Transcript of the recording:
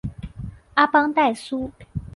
阿邦代苏。